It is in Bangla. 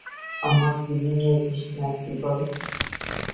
আমার কিডনী নিয়েছিস না কি রে?